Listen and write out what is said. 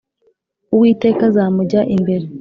uwiteka azamujya imbere